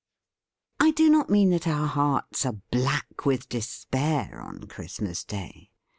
4c ♦ 4: * I do not mean that our hearts are black with despair on Christmas Day.